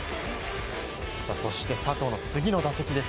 そして佐藤の次の打席です。